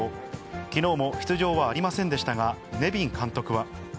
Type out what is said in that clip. きのうも出場はありませんでしたが、ネビン監督は。